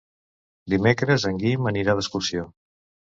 Dimecres en Guim anirà d'excursió.